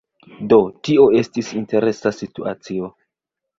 Do, tio estis interesa situacio.